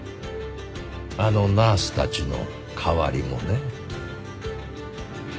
あのナースたちの代わりもね。